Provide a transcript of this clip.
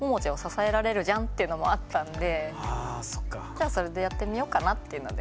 じゃあそれでやってみようかなっていうので。